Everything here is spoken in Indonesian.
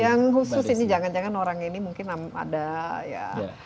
yang khusus ini jangan jangan orang ini mungkin ada ya